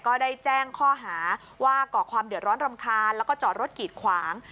ก็ได้แจ้งข้อหาว่าก่อความเดือดร้อนรำคาญแล้วก็จอดรถกีดขวาง